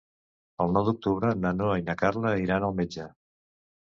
El nou d'octubre na Noa i na Carla iran al metge.